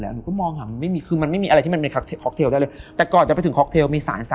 แล้วก็เอาน้ำมนต์ไปลาดซะ